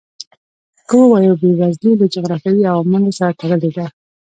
که ووایو بېوزلي له جغرافیوي عواملو سره تړلې ده.